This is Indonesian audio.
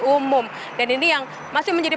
umum dan ini yang masih menjadi